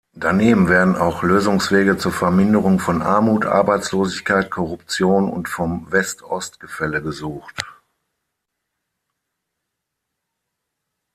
Daneben werden auch Lösungswege zur Verminderung von Armut, Arbeitslosigkeit, Korruption und vom West-Ost-Gefälle gesucht.